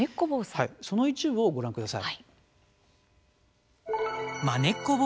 その一部を、ご覧ください。